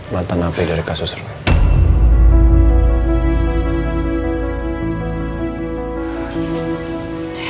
mantan hp dari kasus ruy